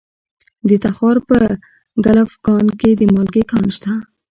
د تخار په کلفګان کې د مالګې کان شته.